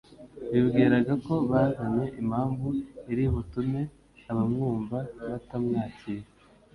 bibwiraga ko bazanye impamvu iri butume abamwumva batamwakira.